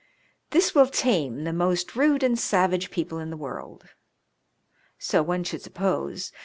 This will tame the most rude and savage people in the world.'* So one should sup pose.